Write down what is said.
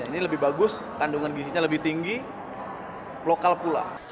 ini lebih bagus kandungan gizinya lebih tinggi lokal pula